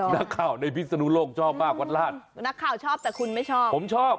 นักข่าวในพิศนุโลกชอบมากวัดราช